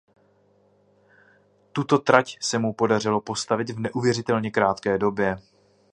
Tuto trať se mu podařilo postavit v neuvěřitelně krátké době.